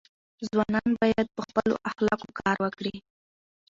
ځوانان باید په خپلو اخلاقو کار وکړي.